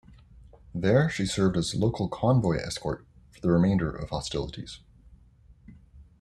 There she served as local convoy escort for the remainder of hostilities.